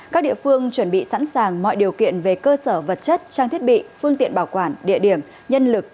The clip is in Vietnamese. các địa phương chuẩn bị sẵn sàng mọi điều kiện về cơ sở vật chất trang thiết bị phương tiện bảo quản địa điểm nhân lực